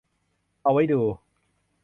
เอาไว้ดู